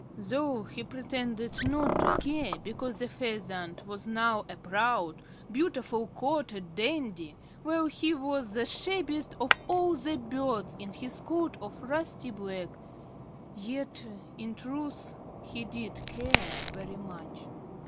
Though he pretended not to care because the Pheasant was now a proud, beautifully coated dandy, while he was the shabbiest of all the birds in his coat of rusty black, yet in truth he did care very much.